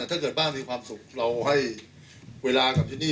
ถ้าเกิดบ้านมีความสุขเราให้เวลากับที่นี่